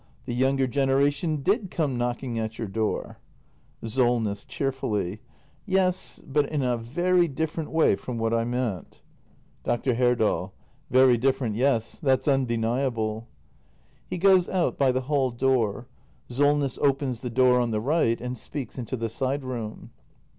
The younger generation d i d come knocking at your door. Solness. [Cheerfully.] Yes, but in a very different way from what I meant. 290 THE MASTER BUILDER [act i Dr. Herdal. Very different, yes. That's undeniable. [He goes out by the hall door. Solness opens the door on the right and speaks into the side room.